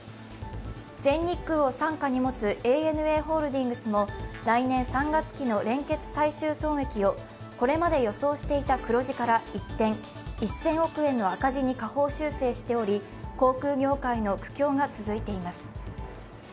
全日空を傘下に持つＡＮＡホールディングスも来年３月期の連結最終損益をこれまで予想していた黒字から一転、１０００億円の赤字に下方修正しており航空業界の苦境が続いています。